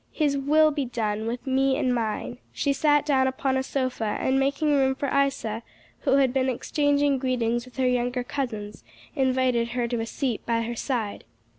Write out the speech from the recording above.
his will be done with me and mine." She sat down upon a sofa, and making room for Isa, who had been exchanging greetings with her younger cousins, invited her to a seat by her side.